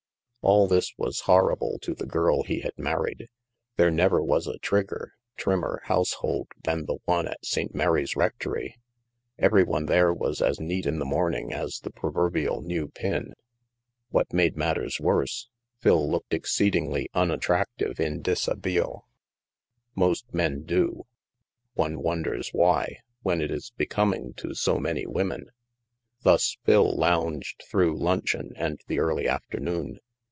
All this was horrible to the girl he had married. There never was a trigger, trimmer household than the one at St. Mary's Rectory. Every one there was as neat in the morning as the proverbial new pin. What made matters worse, Phil looked ex ceedingly unattractive in dishabille. Most men do; one wonders why, when it is becoming to so many women. Thus Phil lounged through luncheon and the early afternoon.